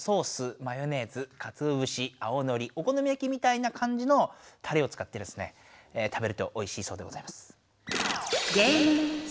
マヨネーズかつおぶし青のりおこのみやきみたいなかんじのたれをつかってですね食べるとおいしいそうでございます。